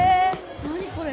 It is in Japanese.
何これ？